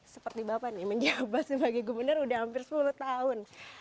seperti bapak nih menjabat sebagai gubernur udah hampir sepuluh tahun